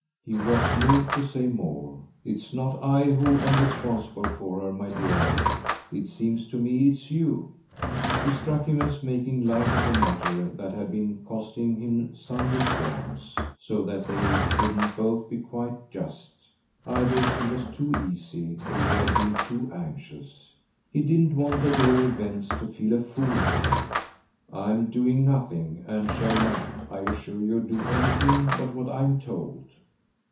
He was moved to say more. "It's not I who am responsible for her, my dear. It seems to me it's you." She struck him as making light of a matter that had been costing him sundry qualms; so that they couldn't both be quite just. Either she was too easy or he had been too anxious. He didn't want at all events to feel a fool for that. "I'm doing nothing and shall not, I assure you, do anything but what I'm told."